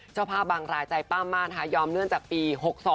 เจ้าภาพบางรายใจปั้มมากค่ะยอมเนื่องจากปี๖๒